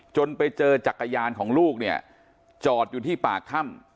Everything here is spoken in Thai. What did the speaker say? ไปเจอจักรยานของลูกเนี่ยจอดอยู่ที่ปากถ้ำ